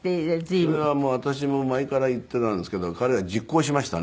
それはもう私も前から言っていたんですけど彼は実行しましたね